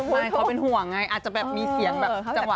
ไม่เขาเป็นห่วงไงอาจจะแบบมีเสียงแบบจังหวะ